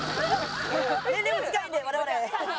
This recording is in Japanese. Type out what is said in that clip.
年齢も近いんで我々。